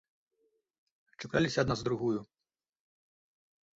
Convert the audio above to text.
Чапляліся адна за другую.